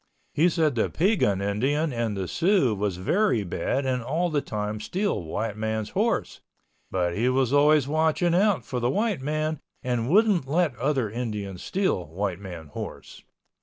He said the Piegan Indian and the Sioux was very bad and all the time steal white man's horse, but he was always watching out for the white man and wouldn't let other Indians steal white man horse.